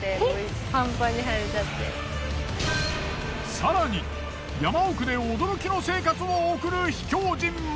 更に山奥で驚きの生活を送る秘境人も。